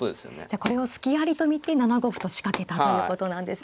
じゃあこれを隙ありと見て７五歩と仕掛けたということなんですね。